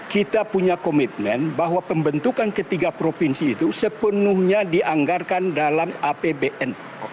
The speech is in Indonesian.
kita punya komitmen bahwa pembentukan ketiga provinsi itu sepenuhnya dianggarkan dalam apbn